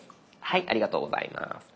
ありがとうございます。